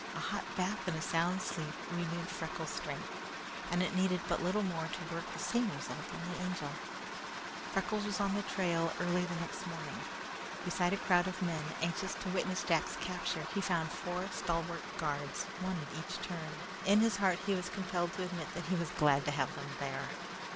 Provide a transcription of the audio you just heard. A hot bath and a sound night's sleep renewed Freckles' strength, and it needed but little more to work the same result with the Angel. Freckles was on the trail early the next morning. Besides a crowd of people anxious to witness Jack's capture, he found four stalwart guards, one at each turn. In his heart he was compelled to admit that he was glad to have them there.